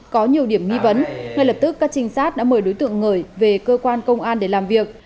có nhiều điểm nghi vấn ngay lập tức các trinh sát đã mời đối tượng ngời về cơ quan công an để làm việc